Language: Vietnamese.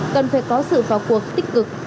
cần phải có sự pháo cuộc tích cực